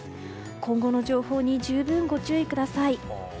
今後の情報に十分ご注意ください。